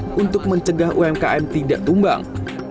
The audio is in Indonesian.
atau social commerce untuk mencegah umkm tidak tumbang